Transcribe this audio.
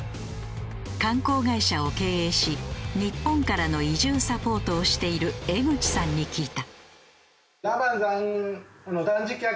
観光会社を経営し日本からの移住サポートをしている江口さんに聞いた。